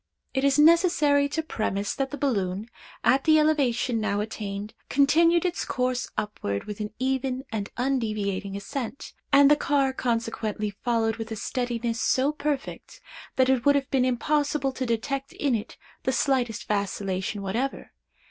"It is necessary to premise, that the balloon, at the elevation now attained, continued its course upward with an even and undeviating ascent, and the car consequently followed with a steadiness so perfect that it would have been impossible to detect in it the slightest vacillation whatever.